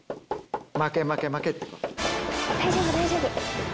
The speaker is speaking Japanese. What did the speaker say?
大丈夫大丈夫。